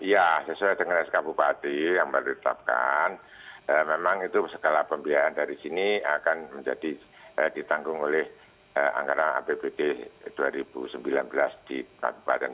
ya sesuai dengan sk bupati yang baru ditetapkan memang itu segala pembiayaan dari sini akan menjadi ditanggung oleh anggaran apbd dua ribu sembilan belas di kabupaten